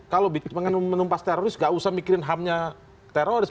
kalau menumpas teroris gak usah mikirin ham nya teroris